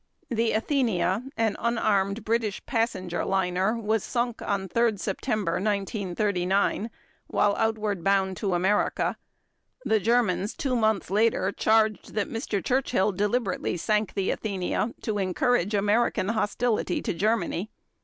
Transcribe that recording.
The Athenia, an unarmed British passenger liner, was sunk on 3 September 1939, while outward bound to America. The Germans 2 months later charged that Mr. Churchill deliberately sank the Athenia to encourage American hostility to Germany.